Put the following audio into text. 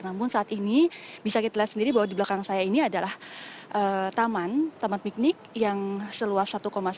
namun saat ini bisa kita lihat sendiri bahwa di belakang saya ini adalah taman taman piknik yang seluas satu sembilan